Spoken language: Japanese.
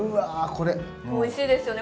これおいしいですよね